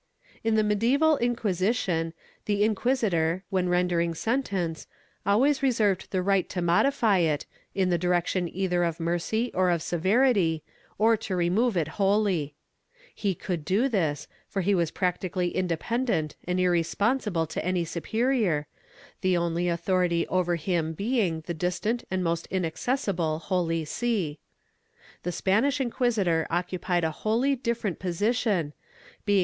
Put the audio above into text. In the medieval Inquisition, the inquisitor, when rendering sen tence, always reserved the right to modify it, in the direction either of mercy or of severity, or to remove it wholly. He could do this, for he was practically independent and irresponsible to any superior, the only authority over him being the distant and almost inaccessible ' Archive de Simancas, Inquisicion de Toledo, Leg.